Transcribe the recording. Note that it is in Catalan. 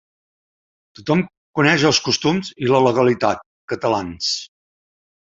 Tothom coneix els costums i la legalitat catalans.